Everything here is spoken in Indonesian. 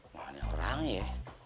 wah ini orang ya